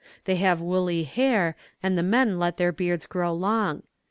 They have woolly hair, and the men let their beards grow long.